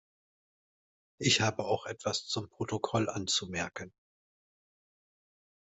Ich habe auch etwas zum Protokoll anzumerken.